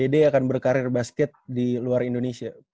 d akan berkarir basket di luar indonesia